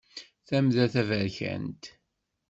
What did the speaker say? Tamda taberkant.